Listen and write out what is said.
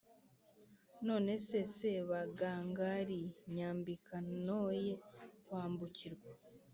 None Sebagangali nyambika noye kwambukirwa: